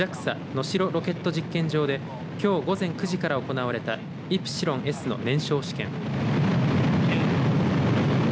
能代ロケット実験場できょう午前９時から行われたイプシロンＳの燃焼試験。